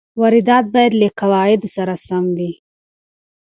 واردات باید له قواعدو سره سم وي.